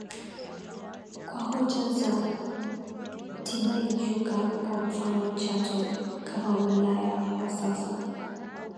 Kwa hoja za Tibaijuka kwa mfano Chato kama wilaya kwa sasa